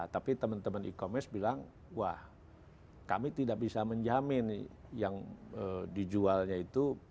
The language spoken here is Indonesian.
tapi teman teman e commerce bilang wah kami tidak bisa menjamin yang dijualnya itu